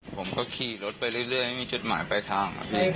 ผมก็ขี่รถไปเรื่อยไม่มีจุดหมายปลายทางครับพี่